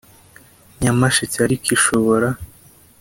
Nyamasheke ariko ishobora